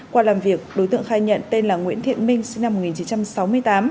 qua làm việc đối tượng khai nhận tên là nguyễn thiện minh sinh năm một nghìn chín trăm sáu mươi tám